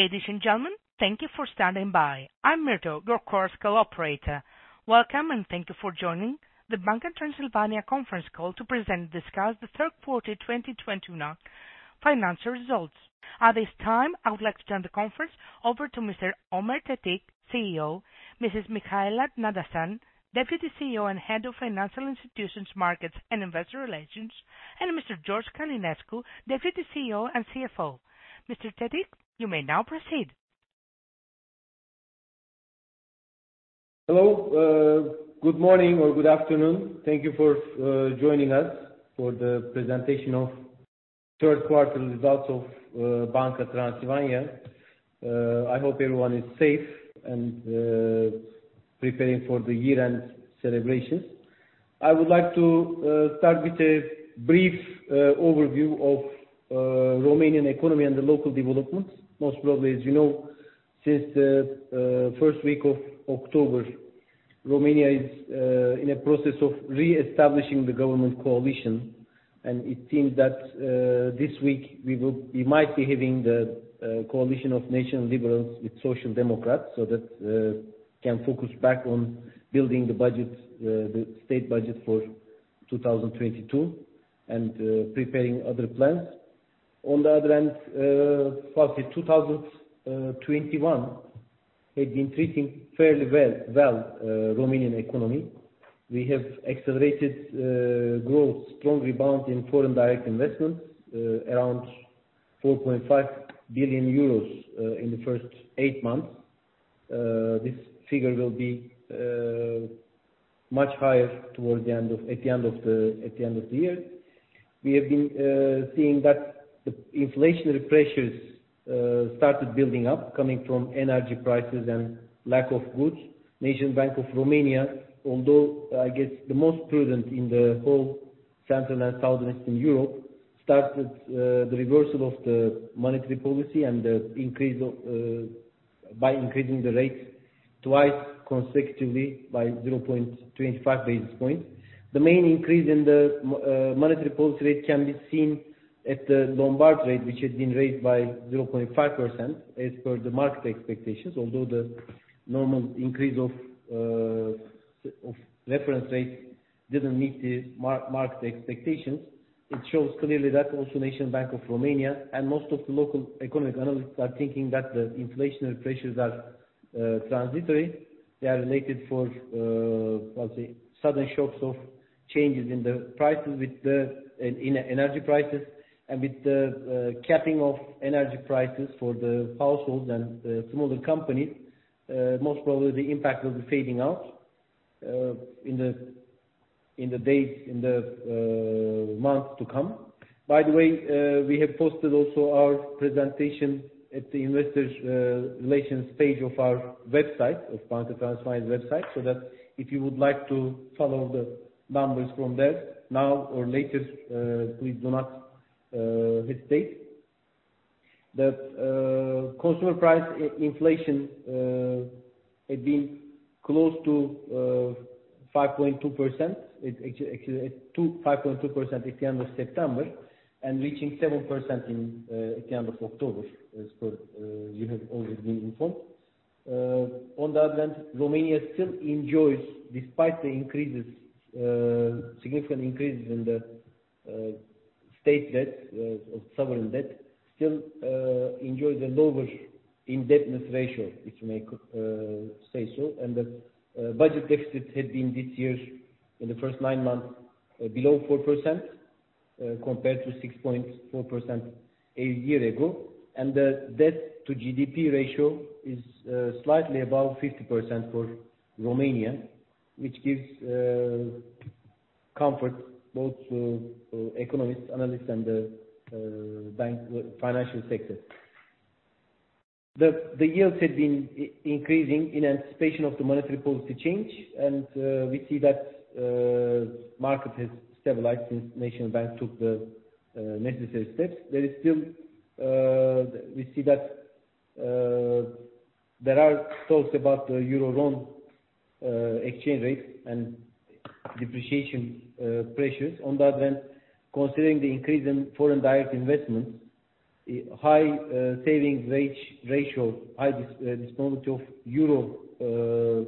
Ladies and gentlemen, thank you for standing by. I'm Myrto, your Chorus Call operator. Welcome, and thank you for joining the Banca Transilvania conference call to present and discuss the Q3 2021 financial results. At this time, I would like to turn the conference over to Mr. Ömer Tetik, CEO, Mrs. Mihaela Nadasan, Deputy CEO and Head of Financial Institutions Markets and Investor Relations, and Mr. George Călinescu, Deputy CEO and CFO. Mr. Tetik, you may now proceed. Hello. Good morning or good afternoon. Thank you for joining us for the presentation of third quarter results of Banca Transilvania. I hope everyone is safe and preparing for the year-end celebrations. I would like to start with a brief overview of Romanian economy and the local developments. Most probably, as you know, since the first week of October, Romania is in a process of reestablishing the government coalition, and it seems that this week we might be having the coalition of National Liberals with Social Democrats so that can focus back on building the budget, the state budget for 2022 and preparing other plans. On the other hand, the Romanian economy has been faring fairly well since 2021. We have accelerated growth, strong rebound in foreign direct investments, around 4.5 billion euros in the first eight months. This figure will be much higher towards the end of the year. We have been seeing that the inflationary pressures started building up, coming from energy prices and lack of goods. National Bank of Romania, although I guess the most prudent in the whole Southern and Southeastern Europe, started the reversal of the monetary policy by increasing the rates twice consecutively by 25 basis points. The main increase in the monetary policy rate can be seen at the Lombard rate, which has been raised by 0.5% as per the market expectations. Although the normal increase of reference rate didn't meet the market expectations. It shows clearly that also National Bank of Romania and most of the local economic analysts are thinking that the inflationary pressures are transitory. They are related to, I'd say, sudden shocks of changes in the prices with the energy prices and with the capping of energy prices for the households and the smaller companies. Most probably the impact will be fading out in the days, in the months to come. By the way, we have posted also our presentation at the investors relations page of our website, of Banca Transilvania's website, so that if you would like to follow the numbers from there now or later, please do not hesitate. The consumer price inflation had been close to 5.2%. It actually hit 5.2% at the end of September and reaching 7% at the end of October, as per you have already been informed. On the other hand, Romania still enjoys, despite the increases, significant increases in the state debt of sovereign debt, still enjoys a lower indebtedness ratio, if you may say so. The budget deficit had been this year, in the first nine months, below 4%, compared to 6.4% a year ago. The debt to GDP ratio is slightly above 50% for Romania, which gives comfort both to economists, analysts and bank financial sector. The yields had been increasing in anticipation of the monetary policy change. We see that market has stabilized since National Bank took the necessary steps. There is still we see that there are talks about the Euro loan exchange rate and depreciation pressures. On the other hand, considering the increase in foreign direct investments, high savings rate ratio, high disponibility of Euro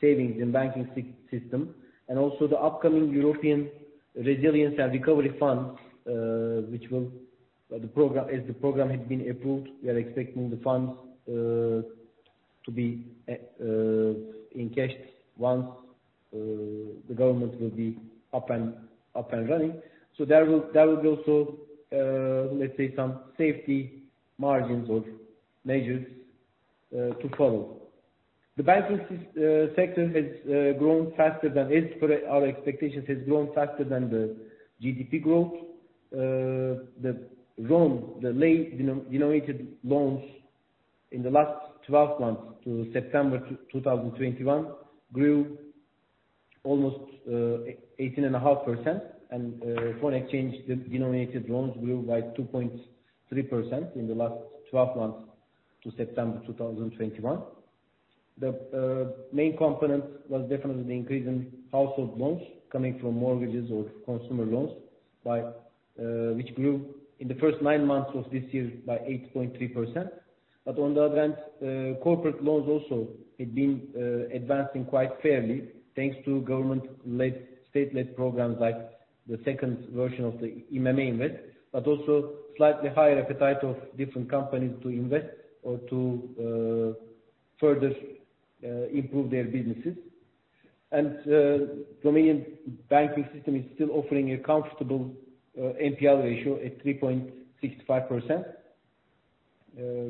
savings in banking system, and also the upcoming European Resilience and Recovery Fund, the program, as the program had been approved, we are expecting the funds to be in cash once the government will be up and running. There will be also, let's say, some safety margins or measures to follow. The banking sector has grown faster than our previous expectations, has grown faster than the GDP growth. The lei-denominated loans in the last 12 months to September 2021 grew almost 18.5%. Foreign exchange denominated loans grew by 2.3% in the last 12 months to September 2021. The main component was definitely the increase in household loans coming from mortgages or consumer loans, which grew in the first nine months of this year by 8.3%. On the other hand, corporate loans also had been advancing quite fairly, thanks to government-led, state-led programs like the second version of the IMM Invest, but also slightly higher appetite of different companies to invest or to further improve their businesses. Romanian banking system is still offering a comfortable NPL ratio at 3.65%.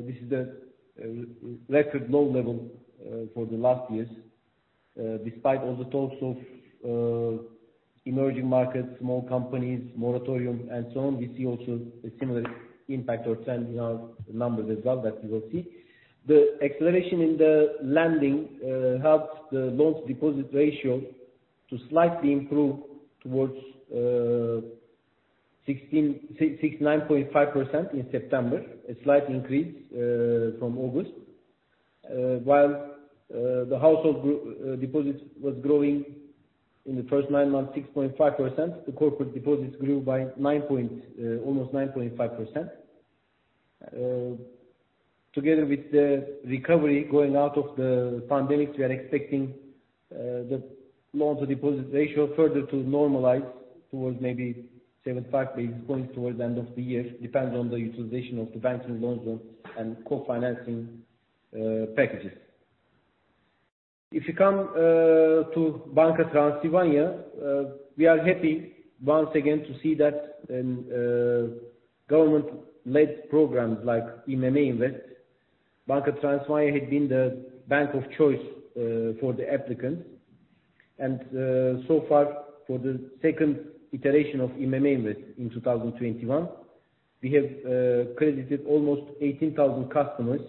This is a record low level for the last years. Despite all the talks of emerging markets, small companies, moratorium and so on, we see also a similar impact or trend in our numbers as well that we will see. The acceleration in the lending helped the loans deposit ratio to slightly improve towards 69.5% in September. A slight increase from August. While the household deposits was growing in the first nine months 6.5%, the corporate deposits grew by 9%, almost 9.5%. Together with the recovery going out of the pandemic, we are expecting the loans to deposits ratio further to normalize towards maybe 75 basis points towards the end of the year. It depends on the utilization of the banking loans and co-financing packages. If you come to Banca Transilvania, we are happy once again to see that government-led programs like IMM Invest. Banca Transilvania had been the bank of choice for the applicants. So far for the second iteration of IMM Invest in 2021, we have credited almost 18,000 customers.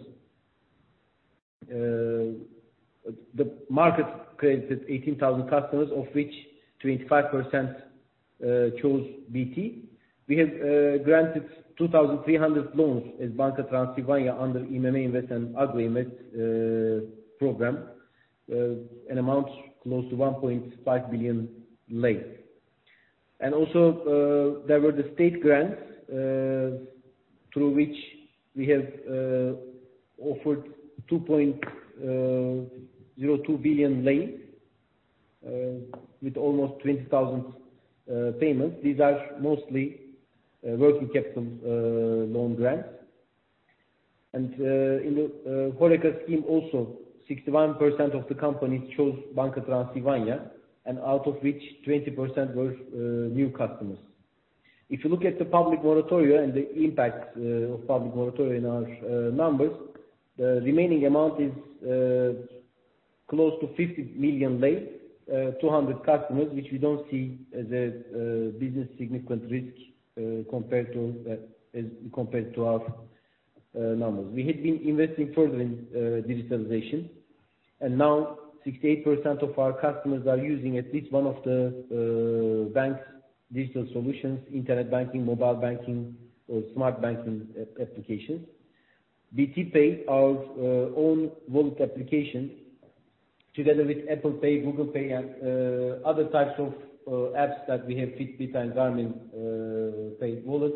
The market credited 18,000 customers of which 25% chose BT. We have granted 2,300 loans as Banca Transilvania under IMM Invest and Agro program, an amount close to RON 1.5 billion. Also, there were the state grants, through which we have offered RON 2.02 billion, with almost 20,000 payments. These are mostly working capital loan grants. In the HoReCa scheme also, 61% of the companies chose Banca Transilvania, and out of which 20% were new customers. If you look at the public moratoria and the impact of public moratoria in our numbers, the remaining amount is close to RON 50 million, 200 customers, which we don't see as a business significant risk, compared to our numbers. We had been investing further in digitalization and now 68% of our customers are using at least one of the bank's digital solutions, internet banking, mobile banking or smart banking applications. BT Pay, our own wallet application, together with Apple Pay, Google Pay and other types of apps that we have Fitbit and Garmin Pay wallets.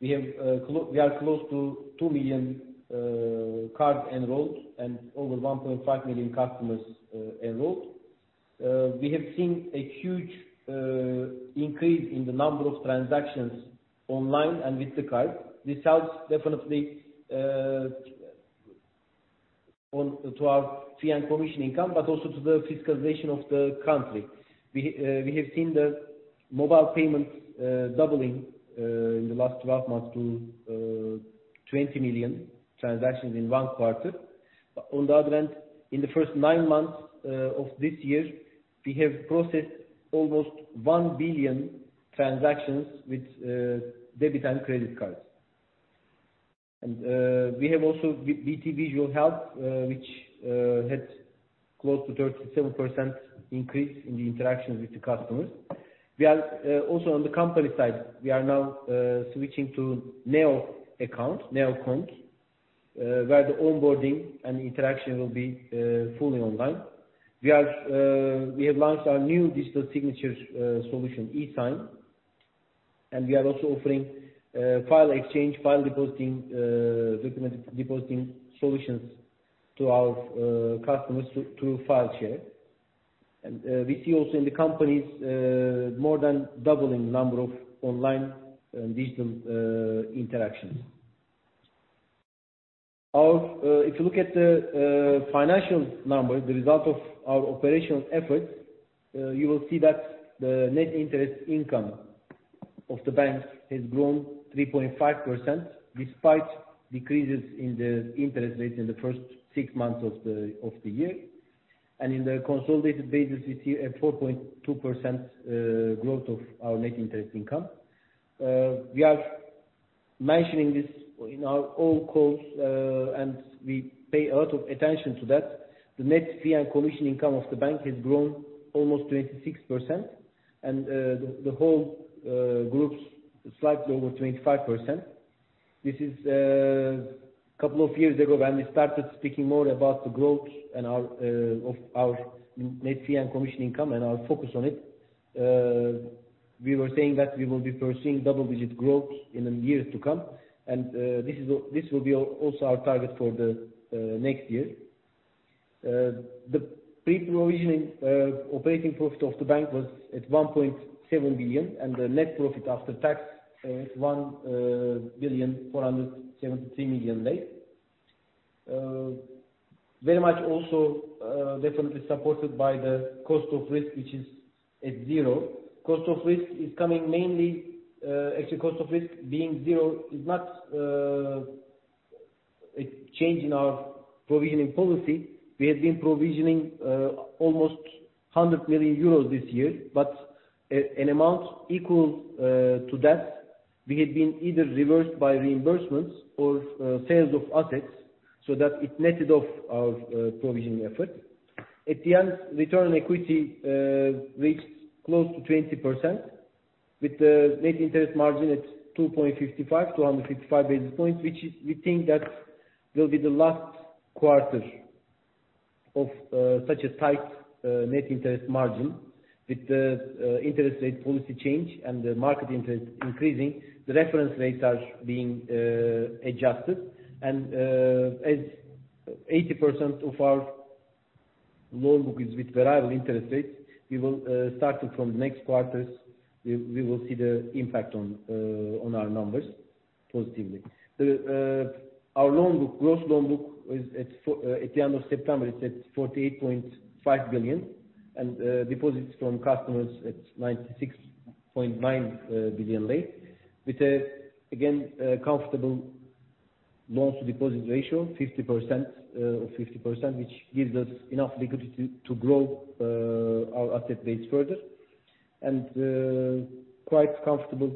We are close to 2 million cards enrolled and over 1.5 million customers enrolled. We have seen a huge increase in the number of transactions online and with the card. This helps definitely onto our fee and commission income, but also to the fiscalization of the country. We have seen the mobile payments doubling in the last 12 months to 20 million transactions in one quarter. On the other hand, in the first nine months of this year, we have processed almost 1 billion transactions with debit and credit cards. We have also BT Visual Help, which had close to 37% increase in the interactions with the customers. We are also on the company side, we are now switching to NEOcont, where the onboarding and interaction will be fully online. We have launched our new digital signatures solution, eSign, and we are also offering file exchange, file depositing, document depositing solutions to our customers through FileShare. We see also in the companies, more than doubling number of online and digital interactions. If you look at the financial numbers, the result of our operational efforts, you will see that the net interest income of the bank has grown 3.5%, despite decreases in the interest rates in the first six months of the year. On the consolidated basis, we see a 4.2% growth of our net interest income. We are mentioning this in all our calls, and we pay a lot of attention to that. The net fee and commission income of the bank has grown almost 26%. The whole group's slightly over 25%. This is a couple of years ago when we started speaking more about the growth of our net fee and commission income and our focus on it. We were saying that we will be pursuing double-digit growth in the years to come, and this is also, this will be also our target for the next year. The pre-provisioning operating profit of the bank was at RON 1.7 billion, and the net profit after tax RON 1.473 billion. Very much also definitely supported by the cost of risk, which is at zero. Cost of risk is coming mainly, actually cost of risk being zero is not a change in our provisioning policy. We have been provisioning almost 100 million euros this year. But an amount equal to that we had been either reversed by reimbursements or sales of assets, so that it netted off our provisioning effort. At the end, return on equity reached close to 20% with the net interest margin at 2.55, 255 basis points, which we think will be the last quarter of such a tight net interest margin. With the interest rate policy change and the market interest increasing, the reference rates are being adjusted. As 80% of our loan book is with variable interest rates, we will starting from next quarters see the impact on our numbers positively. Our loan book, gross loan book, is at the end of September 48.5 billion RON. Deposits from customers at RON 96.9 billion. With again a comfortable loans-to-deposit ratio 50%, which gives us enough liquidity to grow our asset base further. Quite comfortable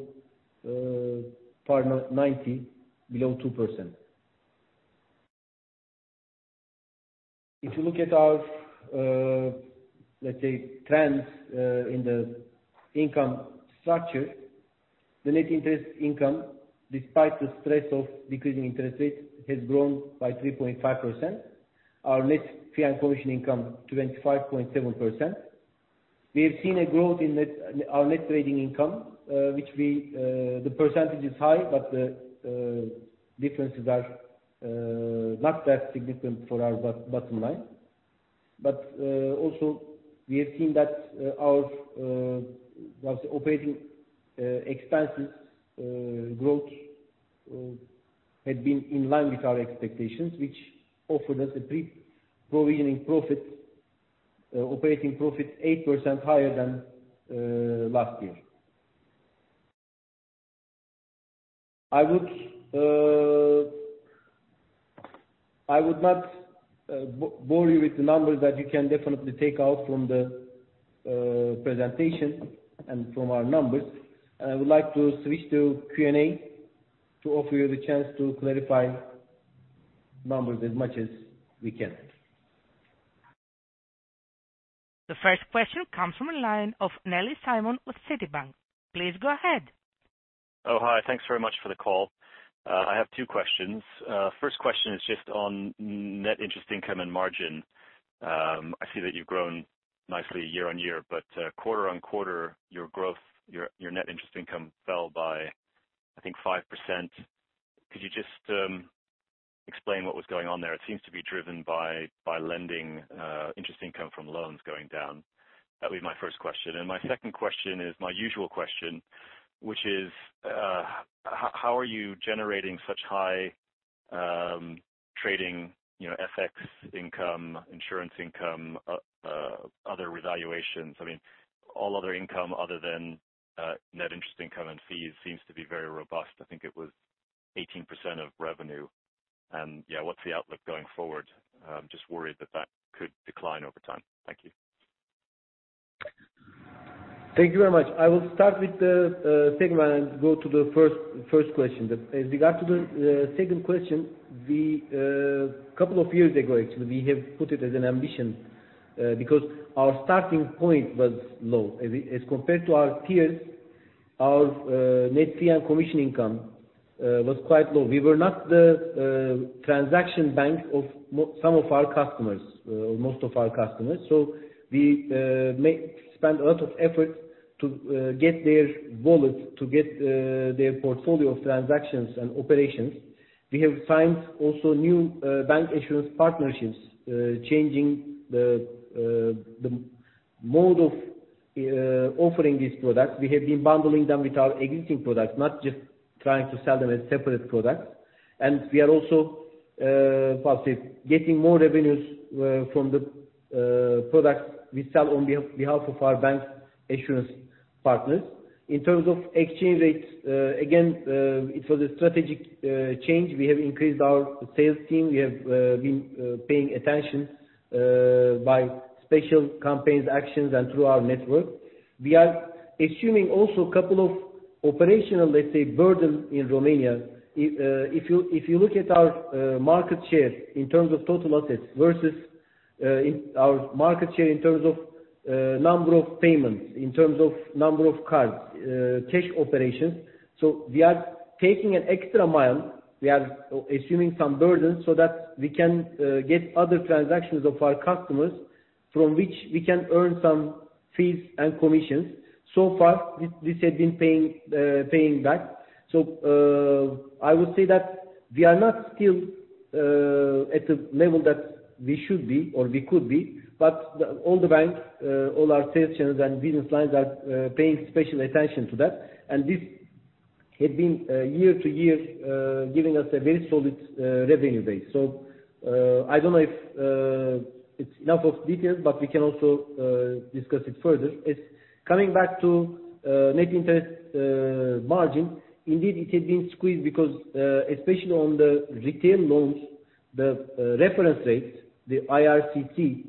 NPL below 2%. If you look at our let's say trends in the income structure, the net interest income, despite the stress of decreasing interest rates, has grown by 3.5%. Our net fee and commission income has grown by 25.7%. We have seen a growth in our net trading income, which the percentage is high, but the differences are not that significant for our bottom line. Also we have seen that our operating expenses growth had been in line with our expectations, which offered us a pre-provisioning operating profit 8% higher than last year. I would not bore you with the numbers that you can definitely take out from the presentation and from our numbers. I would like to switch to Q&A to offer you the chance to clarify numbers as much as we can. The first question comes from a line of Nellis Simon with Citibank. Please go ahead. Oh, hi. Thanks very much for the call. I have two questions. First question is just on net interest income and margin. I see that you've grown nicely year-on-year, but quarter-on-quarter your growth, your net interest income fell by, I think 5%. Could you just explain what was going on there? It seems to be driven by lending interest income from loans going down. That would be my first question. My second question is my usual question, which is how are you generating such high trading, you know, FX income, insurance income, other revaluations? I mean, all other income other than net interest income and fees seems to be very robust. I think it was 18% of revenue. Yeah, what's the outlook going forward? I'm just worried that that could decline over time. Thank you. Thank you very much. I will start with the second one and go to the first question. As regards to the second question, a couple of years ago, actually, we have put it as an ambition, because our starting point was low. As compared to our peers, our net fee and commission income was quite low. We were not the transaction bank of some of our customers, most of our customers. We spend a lot of effort to get their wallet, to get their portfolio of transactions and operations. We have signed also new bank insurance partnerships, changing the mode of offering these products. We have been bundling them with our existing products, not just trying to sell them as separate products. We are also getting more revenues from the products we sell on behalf of our bank insurance partners. In terms of exchange rates, again, it was a strategic change. We have increased our sales team. We have been paying attention by special campaigns, actions, and through our network. We are assuming also couple of operational, let's say, burden in Romania. If you look at our market share in terms of total assets versus our market share in terms of number of payments, in terms of number of cards, cash operations. We are going the extra mile. We are assuming some burdens so that we can get other transactions of our customers from which we can earn some fees and commissions. So far, this had been paying back. I would say that we are not still at the level that we should be or we could be. All the banks, all our sales channels and business lines are paying special attention to that. This had been, year to year, giving us a very solid revenue base. I don't know if it's enough of details, but we can also discuss it further. Coming back to net interest margin. Indeed, it had been squeezed because, especially on the retail loans, the reference rates, the IRCC,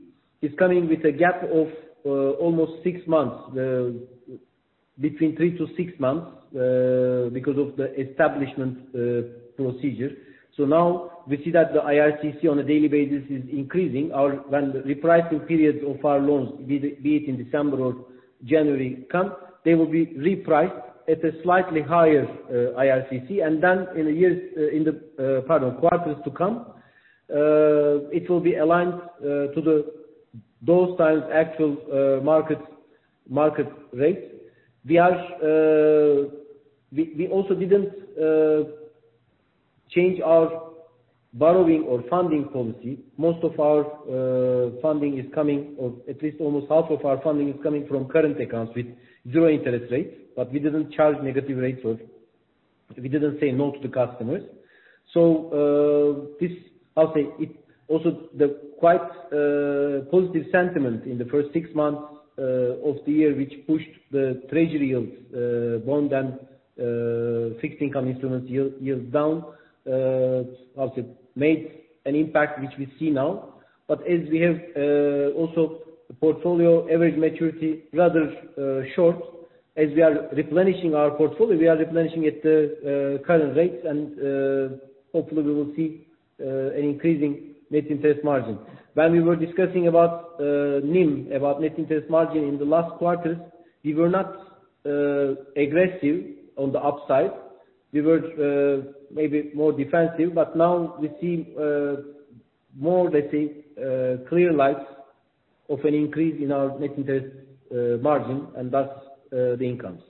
is coming with a gap of almost six months, between three to six months, because of the establishment procedure. Now we see that the IRCC on a daily basis is increasing. When the repricing periods of our loans, be it in December or January come, they will be repriced at a slightly higher IRCC. Then in the quarters to come, it will be aligned to those times actual market rates. We also didn't change our borrowing or funding policy. Most of our funding is coming, or at least almost half of our funding is coming from current accounts with zero interest rates. We didn't charge negative rates or we didn't say no to the customers. This is also quite positive sentiment in the first six months of the year, which pushed the treasury yields, bonds and fixed income instruments yields down, also made an impact, which we see now. As we have our portfolio average maturity rather short, we are replenishing our portfolio at current rates. Hopefully we will see an increasing net interest margin. When we were discussing about NIM, net interest margin in the last quarters, we were not aggressive on the upside. We were maybe more defensive. Now we see more, let's say, clear signs of an increase in our net interest margin and thus the incomes.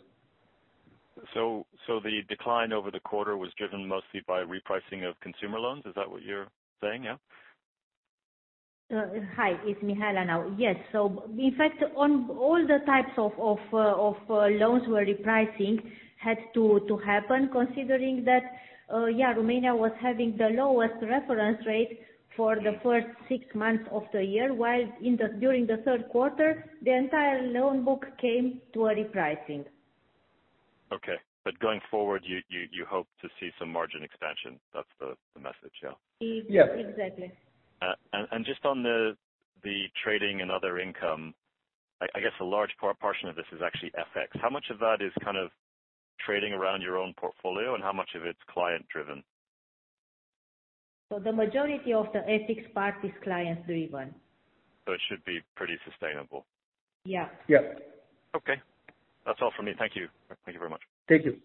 the decline over the quarter was driven mostly by repricing of consumer loans. Is that what you're saying? Yeah. Hi, it's Mihaela now. In fact, on all the types of loans where repricing had to happen, considering that Romania was having the lowest reference rate for the first six months of the year, while during the third quarter, the entire loan book came to a repricing. Okay. Going forward, you hope to see some margin expansion. That's the message, yeah? Yes. Exactly. Just on the trading and other income, I guess a large portion of this is actually FX. How much of that is kind of trading around your own portfolio, and how much of it's client driven? The majority of the FX part is clients driven. It should be pretty sustainable. Yeah. Yeah. Okay, that's all for me. Thank you. Thank you very much. Thank you.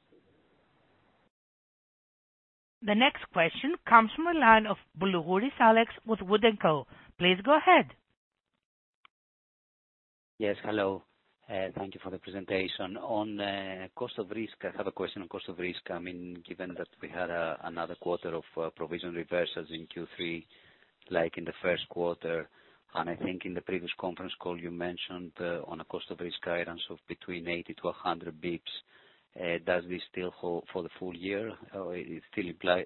The next question comes from a line of Alex Boulougouris with Wood & Co. Please go ahead. Yes, hello. Thank you for the presentation. On cost of risk, I have a question on cost of risk. I mean, given that we had another quarter of provision reversals in Q3 like in the first quarter, and I think in the previous conference call you mentioned on a cost of risk guidance of between 80-100 basis points, does this still hold for the full year? Or it still apply,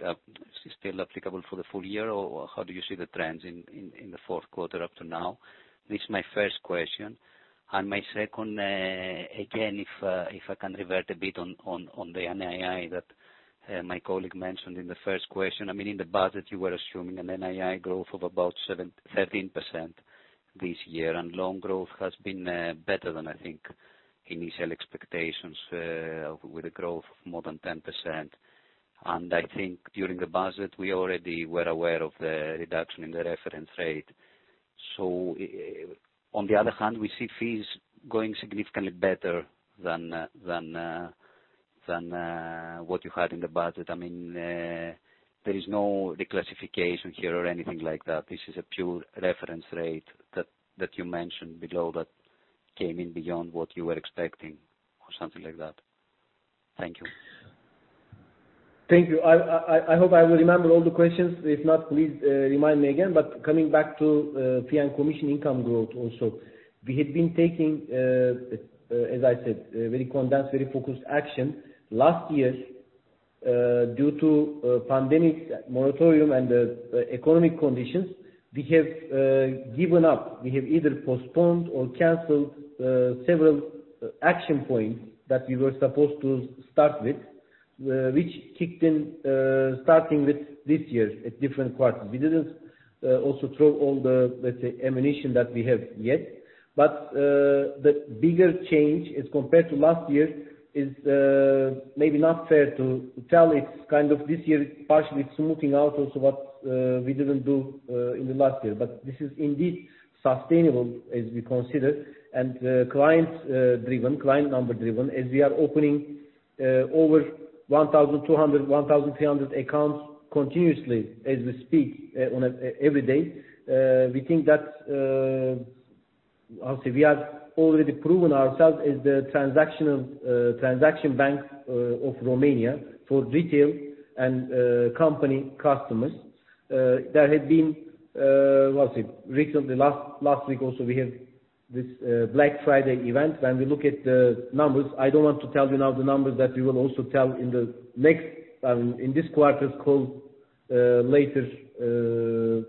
still applicable for the full year, or how do you see the trends in the fourth quarter up to now? This is my first question. My second, again, if I can revert a bit on the NII that my colleague mentioned in the first question. I mean, in the budget you were assuming an NII growth of about 7%-13% this year, and loan growth has been better than I think initial expectations, with a growth of more than 10%. I think during the budget we already were aware of the reduction in the reference rate. On the other hand, we see fees going significantly better than what you had in the budget. I mean, there is no declassification here or anything like that. This is a pure reference rate that you mentioned below that came in beyond what you were expecting or something like that. Thank you. Thank you. I hope I will remember all the questions. If not, please remind me again. Coming back to fee and commission income growth also. We had been taking, as I said, a very condensed, very focused action. Last years, due to pandemic moratorium and the economic conditions, we have given up. We have either postponed or canceled several action points that we were supposed to start with. Which kicked in starting with this year at different quarters. We didn't also throw all the, let's say, ammunition that we have yet. The bigger change as compared to last year is maybe not fair to tell. It's kind of this year is partially smoothing out also what we didn't do in the last year. This is indeed sustainable as we consider client-driven, client number driven, as we are opening over 1,200-1,300 accounts continuously as we speak every day. We think that obviously we have already proven ourselves as the transaction bank of Romania for retail and company customers. There had been, well, say recently, last week also, we have this Black Friday event. When we look at the numbers, I don't want to tell you now the numbers that we will also tell in this quarter's call later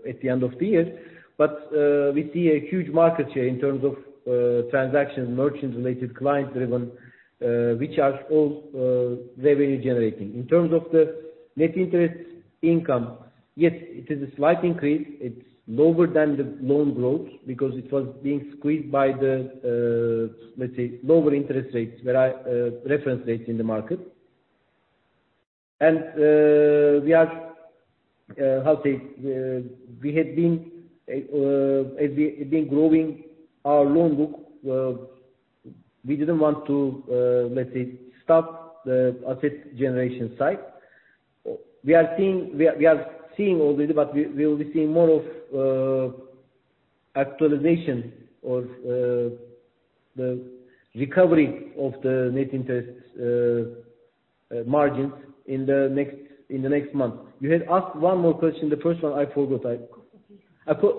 at the end of the year. We see a huge market share in terms of transaction merchant-related client driven, which are all revenue generating. In terms of the net interest income, yes, it is a slight increase. It's lower than the loan growth because it was being squeezed by the, let's say, lower interest rates, reference rates in the market. We had been, as we've been growing our loan book, we didn't want to, let's say, stop the asset generation side. We are seeing already, but we will be seeing more of actualization of the recovery of the net interest margins in the next month. You had asked one more question. The first one I forgot. Cost of risk.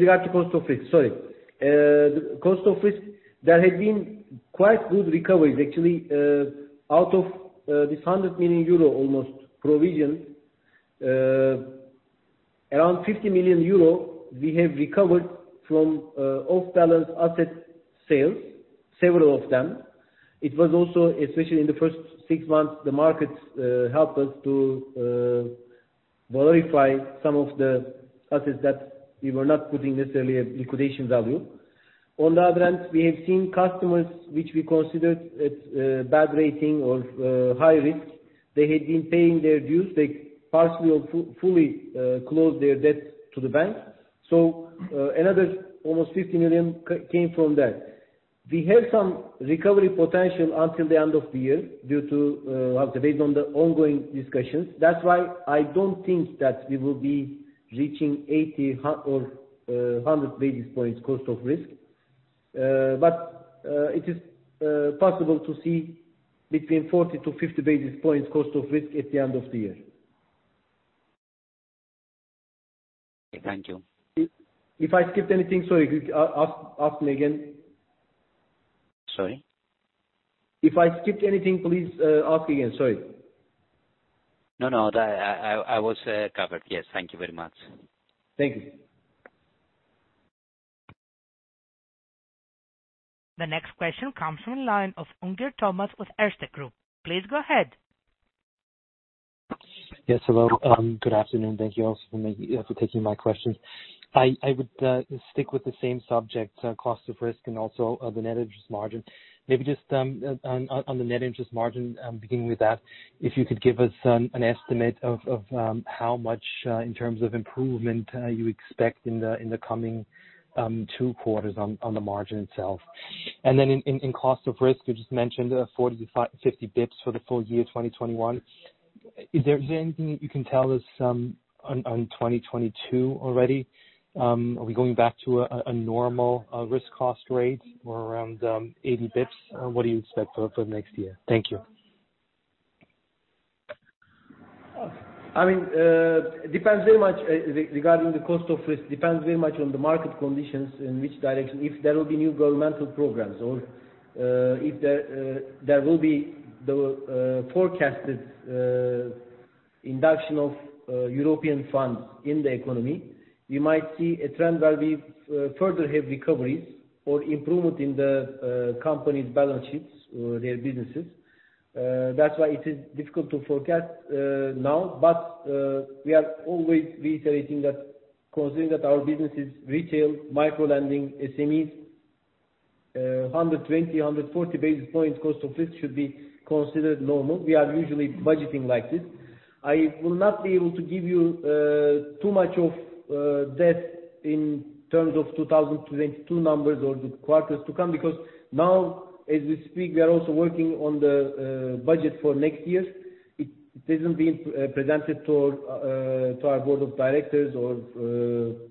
Regarding cost of risk, sorry. The cost of risk, there had been quite good recoveries actually. Out of this almost 100 million euro provision, around 50 million euro we have recovered from off-balance asset sales, several of them. It was also especially in the first six months, the markets helped us to verify some of the assets that we were not putting necessarily a liquidation value. On the other hand, we have seen customers which we considered at bad rating or high risk. They had been paying their dues. They partially or fully closed their debt to the bank. Another almost 50 million came from that. We have some recovery potential until the end of the year due to based on the ongoing discussions. That's why I don't think that we will be reaching 80 or 100 basis points cost of risk. It is possible to see between 40-50 basis points cost of risk at the end of the year. Thank you. If I skipped anything, sorry, you ask me again. Sorry? If I skipped anything, please, ask again. Sorry. No, no. That I was covered. Yes, thank you very much. Thank you. The next question comes from the line of Unger Thomas with Erste Group. Please go ahead. Yes, hello. Good afternoon. Thank you also for taking my questions. I would stick with the same subject, cost of risk and also of the net interest margin. Maybe just on the net interest margin, beginning with that. If you could give us an estimate of how much in terms of improvement you expect in the coming two quarters on the margin itself. Then in cost of risk, you just mentioned 40-50 basis points for the full year 2021. Is there anything that you can tell us on 2022 already? Are we going back to a normal risk cost rate or around 80 basis points? What do you expect for next year? Thank you. I mean, it depends very much regarding the cost of risk on the market conditions, in which direction. If there will be new governmental programs or if there will be the forecasted injection of European funds in the economy, we might see a trend where we further have recoveries or improvement in the company's balance sheets or their businesses. That's why it is difficult to forecast now. We are always reiterating that considering that our business is retail, micro-lending, SMEs, 120-140 basis points cost of risk should be considered normal. We are usually budgeting like this. I will not be able to give you too much of depth in terms of 2022 numbers or the quarters to come because now as we speak we are also working on the budget for next year. It hasn't been presented to our board of directors or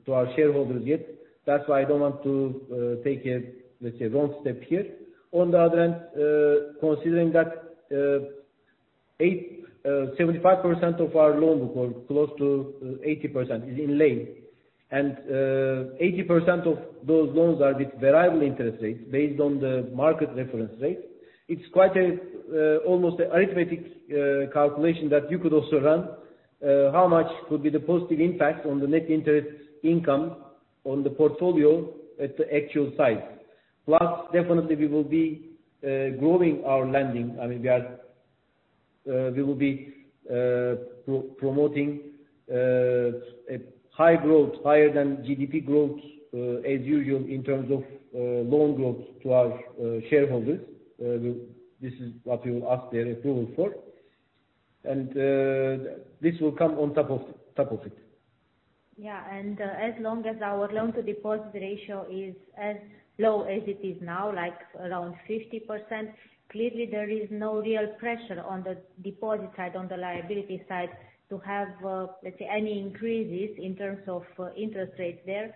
to our shareholders yet. That's why I don't want to take a, let's say, wrong step here. On the other hand, considering that 85% of our loan book or close to 80% is in lei. 80% of those loans are with variable interest rate based on the market reference rate. It's quite almost an arithmetic calculation that you could also run, how much could be the positive impact on the net interest income on the portfolio at the actual size. Plus definitely we will be growing our lending. I mean, we are, we will be promoting a high growth higher than GDP growth, as usual in terms of loan growth to our shareholders. This is what we will ask their approval for. This will come on top of it. Yeah. As long as our loan to deposit ratio is as low as it is now, like around 50%, clearly there is no real pressure on the deposit side, on the liability side to have, let's say, any increases in terms of, interest rates there.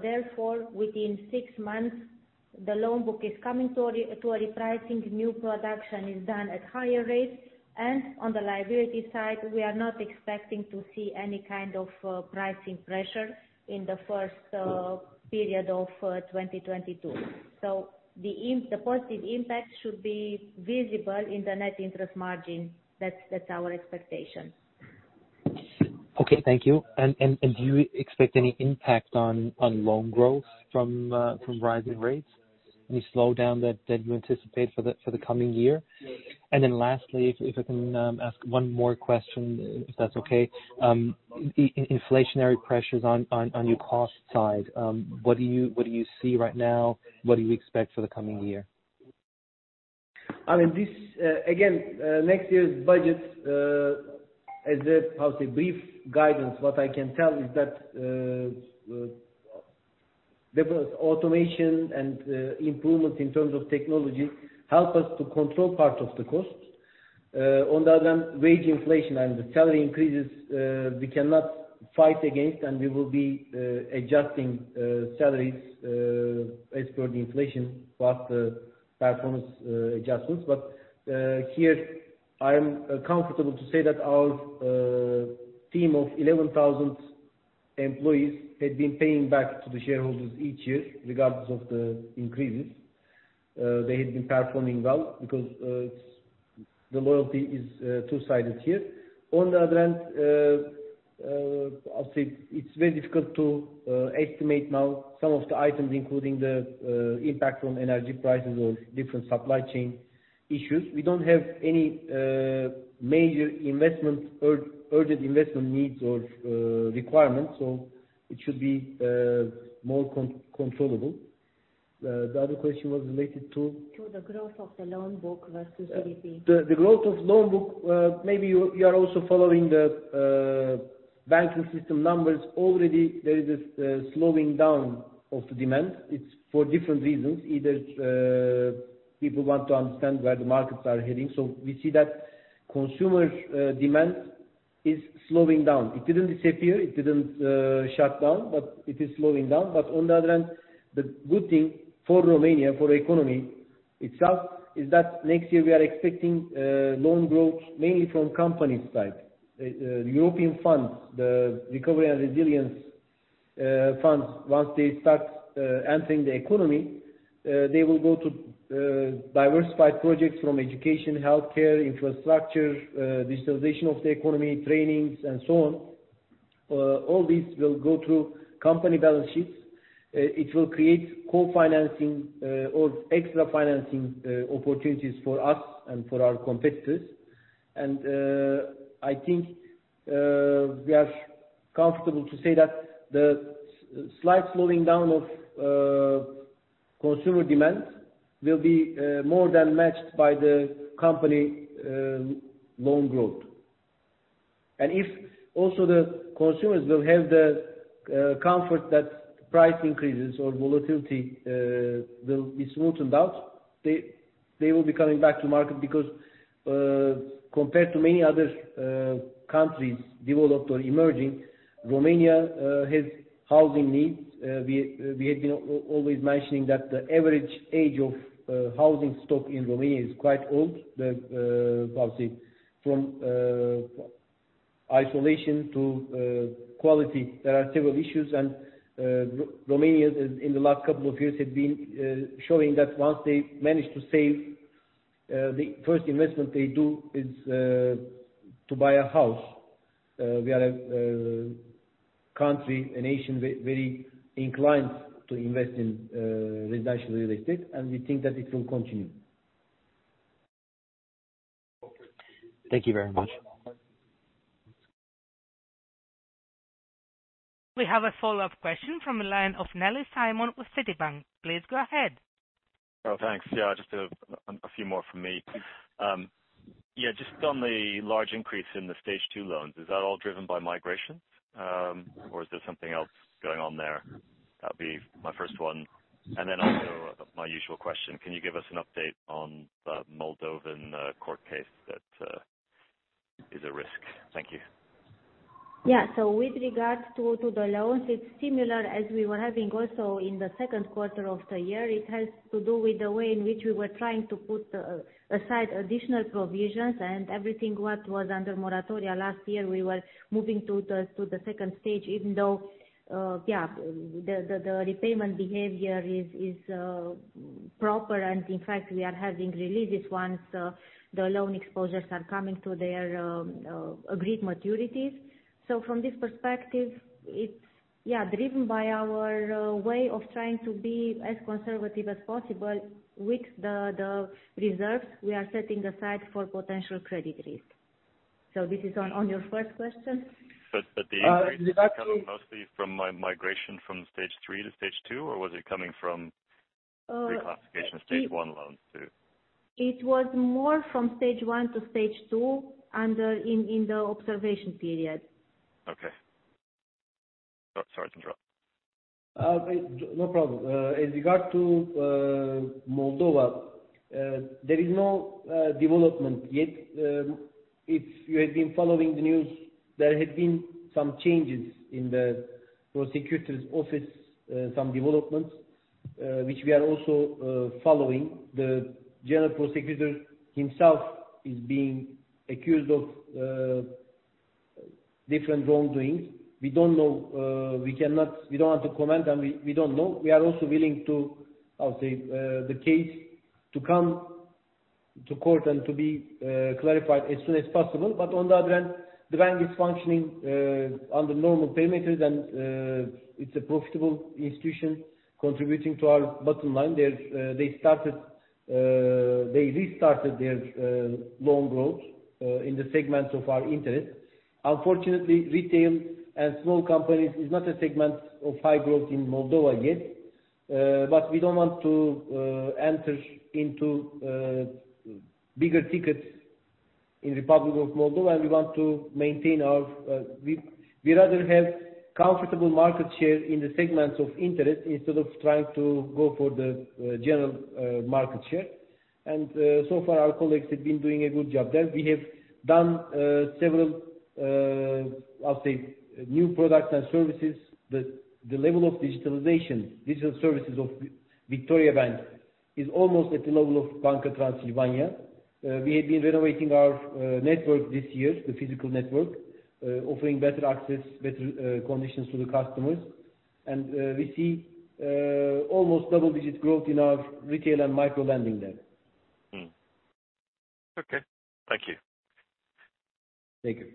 Therefore, within six months the loan book is coming to a repricing, new production is done at higher rates. On the liability side, we are not expecting to see any kind of, pricing pressure in the first, period of, 2022. The positive impact should be visible in the net interest margin. That's our expectation. Okay, thank you. Do you expect any impact on loan growth from rising rates? Any slowdown that you anticipate for the coming year? Lastly, if I can ask one more question, if that's okay. Inflationary pressures on your cost side, what do you see right now? What do you expect for the coming year? I mean, this again, next year's budget, as possibly brief guidance, what I can tell is that there was automation and improvement in terms of technology help us to control part of the cost. On the other hand, wage inflation and the salary increases, we cannot fight against and we will be adjusting salaries as per the inflation plus the performance adjustments. Here I am comfortable to say that our team of 11,000 employees had been paying back to the shareholders each year regardless of the increases. They had been performing well because it's the loyalty is two-sided here. On the other hand, I'll say it's very difficult to estimate now some of the items including the impact on energy prices or different supply chain issues. We don't have any major investment or urgent investment needs or requirements, so it should be more controllable. The other question was related to? To the growth of the loan book versus GDP. The growth of loan book, maybe you are also following the banking system numbers. Already there is a slowing down of the demand. It's for different reasons. Either people want to understand where the markets are heading. We see that consumer demand is slowing down. It didn't disappear, it didn't shut down, but it is slowing down. On the other hand, the good thing for Romania, for economy itself is that next year we are expecting loan growth mainly from companies side. European funds, the Recovery and Resilience funds, once they start entering the economy, they will go to diversify projects from education, healthcare, infrastructure, digitalization of the economy, trainings and so on. All these will go through company balance sheets. It will create co-financing or extra financing opportunities for us and for our competitors. I think we are comfortable to say that the slight slowing down of consumer demand will be more than matched by the company loan growth. If also the consumers will have the comfort that price increases or volatility will be sorted out, they will be coming back to market because compared to many other countries developed or emerging, Romania has housing needs. We had been always mentioning that the average age of housing stock in Romania is quite old. The possibly from isolation to quality. There are several issues and, Romania in the last couple of years have been showing that once they manage to save, the first investment they do is to buy a house. We are a country, a nation very inclined to invest in residential real estate, and we think that it will continue. Thank you very much. We have a follow-up question from the line of Nellis Simon with Citibank. Please go ahead. Oh, thanks. Yeah, just a few more from me. Yeah, just on the large increase in the stage two loans, is that all driven by migration, or is there something else going on there? That'd be my first one. Then also my usual question, can you give us an update on the Moldovan court case that is a risk? Thank you. Yeah. With regards to the loans, it's similar as we were having also in the second quarter of the year. It has to do with the way in which we were trying to put aside additional provisions and everything what was under moratoria last year we were moving to the second stage, even though the repayment behavior is proper and in fact we are having releases once the loan exposures are coming to their agreed maturities. From this perspective, it's driven by our way of trying to be as conservative as possible with the reserves we are setting aside for potential credit risk. This is on your first question. The increase. Uh, with regard to- is coming mostly from migration from stage three to stage two, or was it coming from Uh- Reclassification stage one loans too? It was more from stage one to stage two during the observation period. Okay. Sorry to interrupt. No problem. As regards to Moldova, there is no development yet. If you have been following the news, there had been some changes in the prosecutor's office, some developments, which we are also following. The general prosecutor himself is being accused of different wrongdoings. We don't know. We don't want to comment on what we don't know. We are also willing to, I would say, the case to come to court and to be clarified as soon as possible. On the other hand, the bank is functioning under normal parameters, and it's a profitable institution contributing to our bottom line. They restarted their loan growth in the segments of our interest. Unfortunately, retail and small companies is not a segment of high growth in Moldova yet. We don't want to enter into bigger tickets in Republic of Moldova, and we want to maintain our. We'd rather have comfortable market share in the segments of interest instead of trying to go for the general market share. So far our colleagues have been doing a good job there. We have done several. I'll say, new products and services. The level of digitalization, digital services of Victoriabank is almost at the level of Banca Transilvania. We have been renovating our network this year, the physical network, offering better access, better conditions to the customers. We see almost double-digit growth in our retail and micro-lending there. Okay. Thank you. Thank you.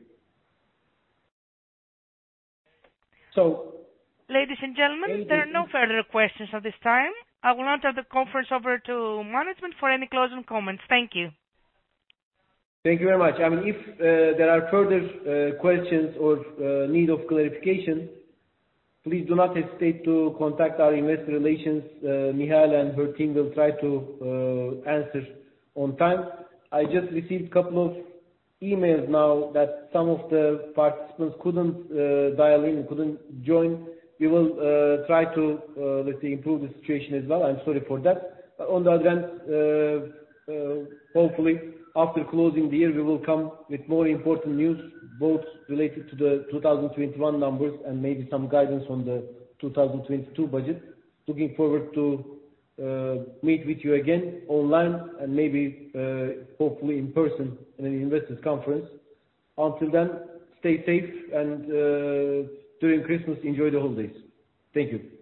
Ladies and gentlemen. Ladies and gentlemen- There are no further questions at this time. I will now turn the conference over to management for any closing comments. Thank you. Thank you very much. I mean, if there are further questions or need of clarification, please do not hesitate to contact our investor relations. Mihaela and her team will try to answer on time. I just received couple of emails now that some of the participants couldn't dial in, couldn't join. We will try to, let's say, improve the situation as well. I'm sorry for that. On the other hand, hopefully, after closing the year, we will come with more important news, both related to the 2021 numbers and maybe some guidance on the 2022 budget. Looking forward to meet with you again online and maybe, hopefully in person in an investors' conference. Until then, stay safe and, during Christmas, enjoy the holidays. Thank you.